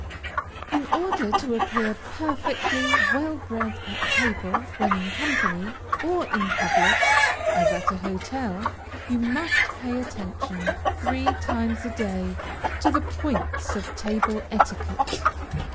In order to appear perfectly well bred at table when in company, or in public, as at a hotel, you must pay attention, three times a day, to the points of table etiquette.